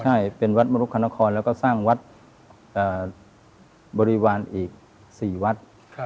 ใช่เป็นวัดมรุคณครแล้วก็สร้างวัดบริวารอีก๔วัด